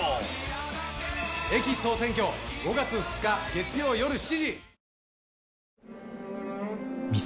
『駅総選挙』５月２日月曜よる７時！